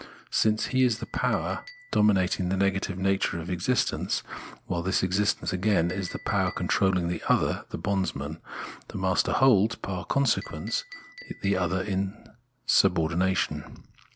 Since he is the power dominat ing the negative nature of existence, while this existence again is the power controlling the other [the bondsman], the master holds, far consequence, Lordship and Bondage 183 :his other in subordination.